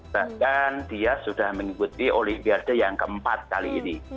bahkan dia sudah mengikuti olimpiade yang keempat kali ini